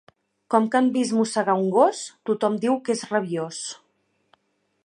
Com que han vist mossegar un gos, tothom diu que és rabiós.